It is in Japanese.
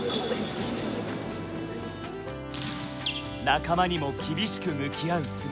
仲間にも厳しく向き合う姿。